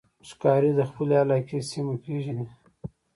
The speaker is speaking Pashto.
ښکاري د خپلې علاقې سیمه پېژني.